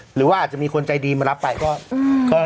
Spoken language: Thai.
หรือว่าอาจจะมีคนใจดีมารับไปก็